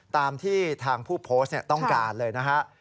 ตามที่ทางผู้โพสต์ต้องการเลยนะฮะ